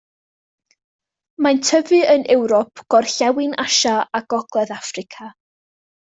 Mae'n tyfu yn Ewrop, gorllewin Asia a gogledd Affrica.